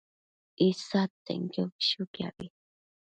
isadtsenquio bëshuquiabi